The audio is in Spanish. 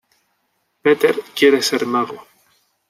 Peter quiere ser mago.